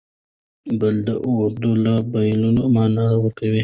بل د اور له بلېدلو مانا ورکوي.